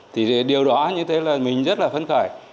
thì điều đó như thế là mình rất là phấn khởi